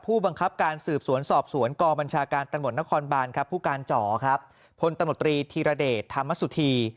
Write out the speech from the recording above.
ผู้บังคับการสืบสวนสอบสวนกบัญชาการตะหมดนครบานผู้การจพตธิระเดชธรรมสุธี